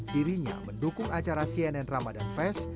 dirinya mendukung acara cnn ramadan fest